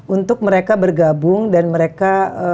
untuk mereka bergabung dan mereka